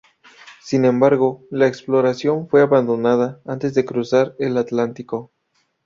Sin embargo, la exploración fue abandonada antes de cruzar el Atlántico.